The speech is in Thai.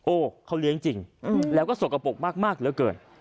เขาเลี้ยงจริงแล้วก็สกปรกมากเหลือเกิน